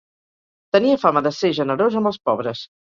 Tenia fama de ser generós amb els pobres.